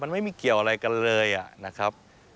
มันไม่มีเกี่ยวอะไรกันเลยนะครับ